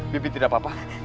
bibi tidak apa apa